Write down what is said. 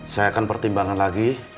saya akan pertimbangan lagi